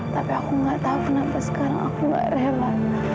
tapi aku gak tau kenapa sekarang aku gak rela